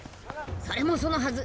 それもそのはず。